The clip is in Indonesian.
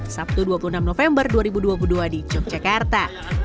sabtu dua puluh enam november dua ribu dua puluh dua di yogyakarta